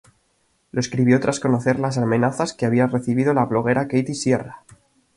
Lo escribió tras conocer las amenazas que había recibido la bloguera Kathy Sierra.